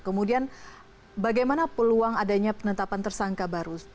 kemudian bagaimana peluang adanya penetapan tersangka baru